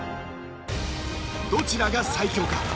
どちらが最強か？